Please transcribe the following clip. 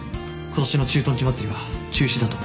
今年の駐屯地祭りは中止だと。